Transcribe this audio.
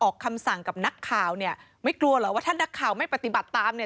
คำสั่งกับนักข่าวเนี่ยไม่กลัวเหรอว่าถ้านักข่าวไม่ปฏิบัติตามเนี่ย